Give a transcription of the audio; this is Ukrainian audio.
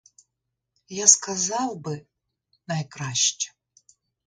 Я сказав би: найкраща.